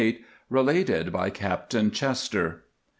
Related by Captain Chester.